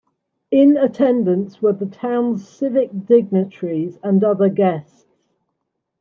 In attendance were the town's civic dignitaries and other guests.